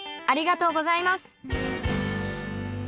ありがとうございます。